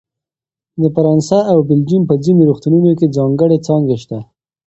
د فرانسه او بلجیم په ځینو روغتونونو کې ځانګړې څانګې شته.